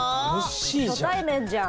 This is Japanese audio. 初対面じゃん。